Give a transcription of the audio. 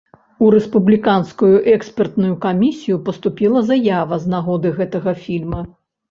У рэспубліканскую экспертную камісію паступіла заява з нагоды гэтага фільма.